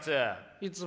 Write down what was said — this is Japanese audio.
いつも。